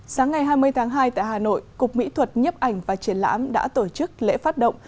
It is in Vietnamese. sáng ngày hai mươi tháng hai tại hà nội cục mỹ thuật nhếp ảnh và triển lãm đã tổ chức lễ phát động